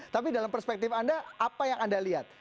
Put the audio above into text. tapi dalam perspektif anda apa yang anda lihat